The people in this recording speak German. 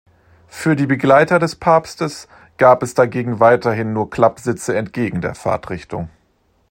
Für die Begleiter des Papstes gab es dagegen weiterhin nur Klappsitze entgegen der Fahrtrichtung.